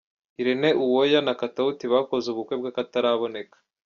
Irene Uwoya na Katauti bakoze ubukwe bw'akataraboneka.